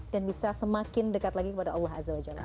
dan bisa semakin dekat lagi kepada allah azza wa jalla